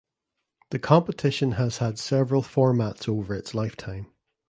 The competition has had several formats over its lifetime.